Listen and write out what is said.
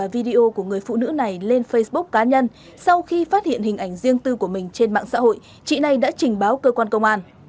video của người phụ nữ này lên facebook cá nhân sau khi phát hiện hình ảnh riêng tư của mình trên mạng xã hội chị này đã trình báo cơ quan công an